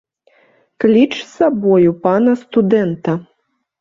Кліч з сабою пана студэнта.